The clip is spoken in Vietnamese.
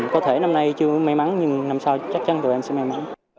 có thể năm nay chưa may mắn nhưng năm sau chắc chắn tụi em sẽ may mắn